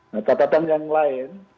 nah catatan yang lain